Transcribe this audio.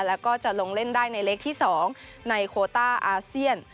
แล้วก็จะลงเล่นได้ในเล็กที่๒ในโคต้าอาเซียน